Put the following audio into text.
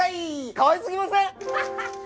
かわいすぎません！？